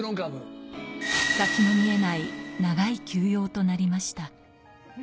先の見えない長い休養となりました。